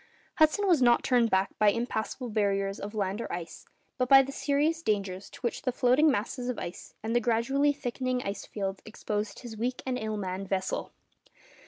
Hudson was not turned back by impassable barriers of land or ice, but by the serious dangers to which the floating masses of ice and the gradually thickening ice fields exposed his weak and ill manned vessel.